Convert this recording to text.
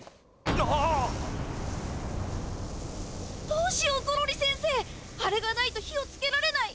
どうしようゾロリ先生あれがないと火をつけられない。